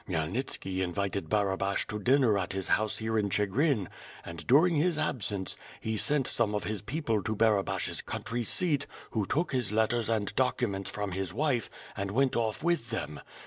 Rhmyelnitski invited Barabash to dinner at his house here in Chigrin, and during his absence, he sent some of his people to Barabash's country seat, who took his letters and documents from his wife, and went off with them.